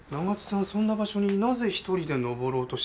そんな場所になぜ１人で登ろうとしたんでしょうか？